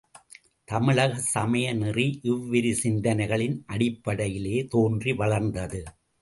தமிழக சமய நெறி இவ்விரு சிந்தனைகளின் அடிப்படையிலேயே தோன்றி வளர்ந்தது.